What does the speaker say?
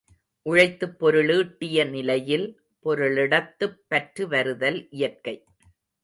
உழைத்துப் பொருளீட்டிய நிலையில், பொருளிடத்துப் பற்று வருதல் இயற்கை.